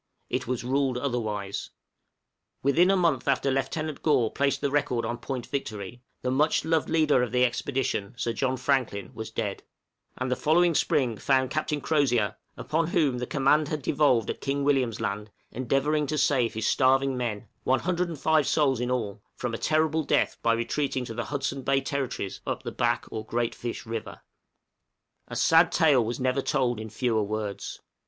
It was ruled otherwise. Within a month after Lieutenant Gore placed the record on Point Victory, the much loved leader of the expedition, Sir John Franklin, was dead; and the following spring found Captain Crozier, upon whom the command had devolved at King William's Land, endeavoring to save his starving men, 105 souls in all, from a terrible death by retreating to the Hudson Bay territories up the Back or Great Fish River. A sad tale was never told in fewer words.